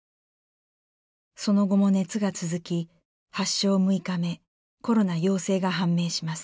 その後も熱が続き発症６日目コロナ陽性が判明します。